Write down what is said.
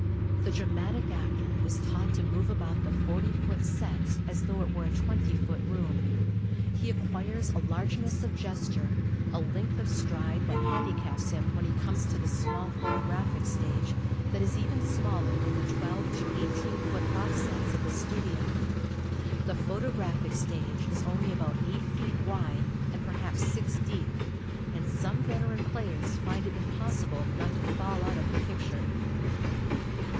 The dramatic actor is taught to move about the forty foot set as tho it were a twenty foot room. He acquires a largeness of gesture, a length of stride that handicaps him when he comes to the small photographic stage that is even smaller than the twelve to eighteen foot box sets of the studio. The photographic stage is only about eight feet wide and perhaps six deep, and some veteran players find it impossible not to "fall out of the picture."